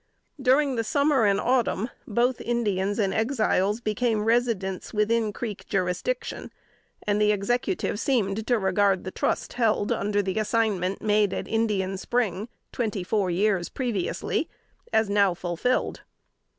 During the summer and autumn both Indians and Exiles became residents within Creek jurisdiction; and the Executive seemed to regard the trust held under the assignment made at Indian Spring, twenty four years previously, as now fulfilled.